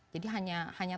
jadi hanya tanah